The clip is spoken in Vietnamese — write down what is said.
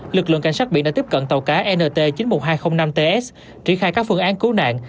lực lượng cảnh sát biển đã tiếp cận tàu cá nt chín mươi một nghìn hai trăm linh năm ts triển khai các phương án cứu nạn